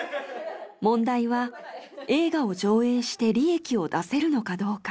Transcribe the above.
問題は映画を上映して利益を出せるのかどうか。